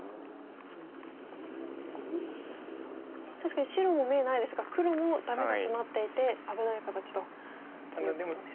確かに白も眼ないですが黒もダメがツマっていて危ない形ということですか。